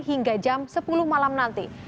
hingga jam sepuluh malam nanti